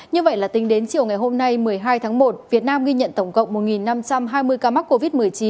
như vậy là tính đến chiều ngày hôm nay một mươi hai tháng một việt nam ghi nhận tổng cộng một năm trăm hai mươi ca mắc covid một mươi chín